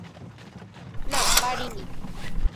না পারি নি।